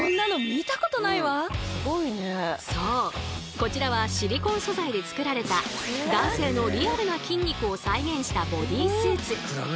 こちらはシリコン素材で作られた男性のリアルな筋肉を再現したボディースーツ。